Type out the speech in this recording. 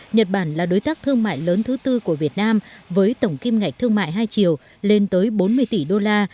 nhật bản là đối tác thương mại lớn thứ tư của việt nam với tổng kim ngạch thương mại hai triệu lên tới bốn mươi tỷ đô la